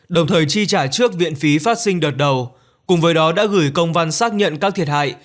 đồng thời chi trả trước viện phí phát sinh đợt đầu cùng với đó đã gửi công văn xác nhận các thiệt hại